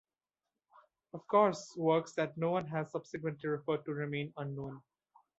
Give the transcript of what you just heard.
Of course works that no one has subsequently referred to remain unknown.